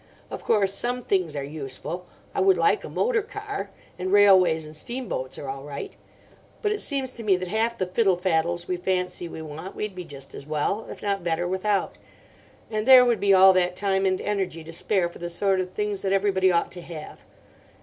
Of course some things are useful. I would like a motor car, and railways and steamboats are all right; but it seems to me that half the fiddle faddles we fancy we want we'd be just as well, if not better, without, and there would be all that time and energy to spare for the sort of things that everybody ought to have.